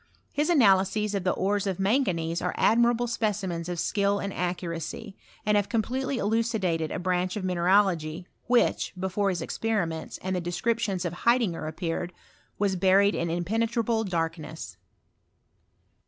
His analyses of the ores of manganese are admirable specimens of skill and accuracy, and have completely elucidated a branch of mineralogy which, before his experiments, and the descriptioDS of Haidinger appeared, was buried in impenetrable darkness.